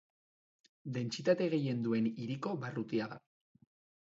Dentsitate gehien duen hiriko barrutia da.